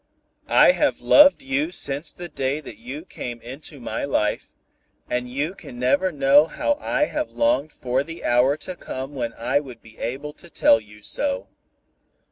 I have loved you since the day that you came into my life, and you can never know how I have longed for the hour to come when I would be able to tell you so.